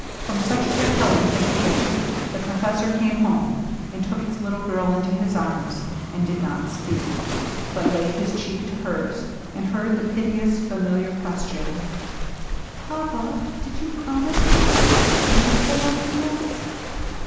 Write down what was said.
From such repellent education the professor came home and took his little girl into his arms, and did not speak, but laid his cheek to hers, and heard the piteous, familiar question, '' Papa, did you promise me they 'd be kind to Loveliness